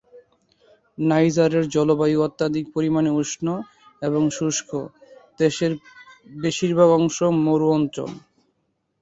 নাইজারের জলবায়ু অত্যধিক পরিমাণে উষ্ণ এবং শুষ্ক, দেশের বেশিরভাগ অংশ মরু অঞ্চল।